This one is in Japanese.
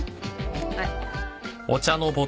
はい。